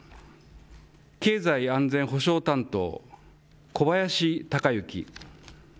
経済安全保障担当、小林鷹之。